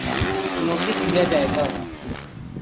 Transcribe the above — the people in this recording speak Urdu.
نوٹس لیا جائے گا۔